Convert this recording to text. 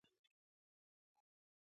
قومونه د افغانستان د اقتصاد برخه ده.